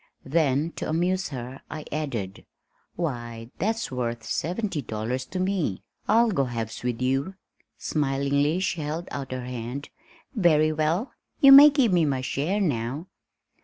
Then to amuse her, I added, "Why, that's worth seventy five dollars to me. I'll go halves with you." Smilingly she held out her hand. "Very well, you may give me my share now."